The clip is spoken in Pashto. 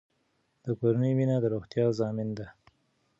د کورنۍ مینه د روغتیا ضامن ده.